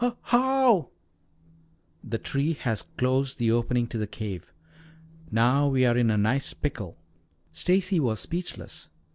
"H ho how?" "The tree has closed the opening to the cave. Now we are in a nice pickle." Stacy was speechless.